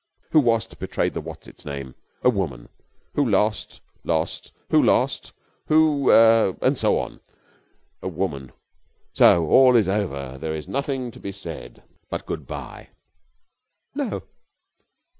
Who was't betrayed the what's its name? A woman! Who lost ... lost ... who lost ... who er and so on? A woman ... So all is over! There is nothing to be said but good bye?" "No."